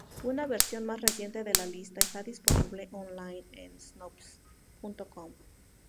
Una versión más reciente de la lista está disponible online en Snopes.com.